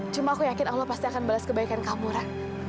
cuma aku yakin allah pasti akan balas kebaikan kamu lah